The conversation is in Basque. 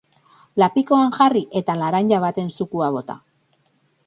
Lapikoan jarri, eta laranja baten zukua bota.